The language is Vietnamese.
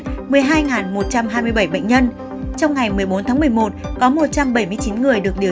trong ngày một mươi bốn tháng một mươi một có một trăm bảy mươi chín người được điều trị khỏi